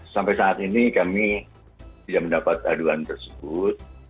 sampai saat ini kami tidak mendapat aduan tersebut